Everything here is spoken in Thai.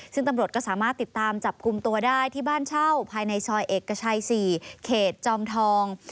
ซึ่งตำรวจก็สามารถติดตามจับกลุ่มตัวได้ที่บ้านเช่าภายในซอยเอกชัย๔เขตจอมทอง